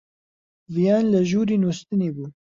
ڤیان لە ژووری نووستنی بوو.